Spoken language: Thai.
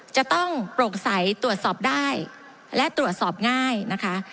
จะต้องโปร่งใสตรวจสอบได้และตรวจสอบง่ายนะคะ